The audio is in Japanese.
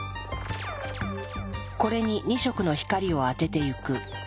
これに２色の光を当ててゆく。